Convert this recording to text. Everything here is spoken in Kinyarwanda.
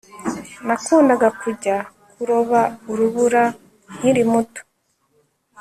Nakundaga kujya kuroba urubura nkiri muto